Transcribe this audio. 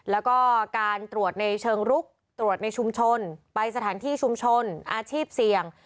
แล้วก็การตรวจในเชิงรุกตรวจในชุมชนไปสถานที่ชุมชนอาชีพเสี่ยง